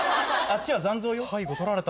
あっちは残像よ。